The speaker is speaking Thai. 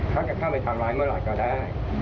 เขาจะเข้าไปทำร้ายเมื่อไหร่ก็ได้